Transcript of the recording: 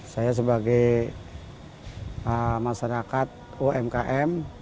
saya sebagai masyarakat umkm